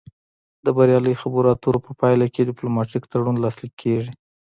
د بریالۍ خبرو اترو په پایله کې ډیپلوماتیک تړون لاسلیک کیږي